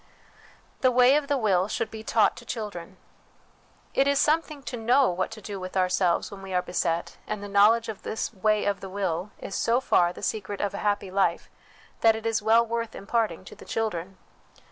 The Way of the Will should be taught to Children. It is something to know what to do with ourselves when we are beset, and the knowledge of this way of the will is so far the secret of a happy life, that it is well worth imparting to the children.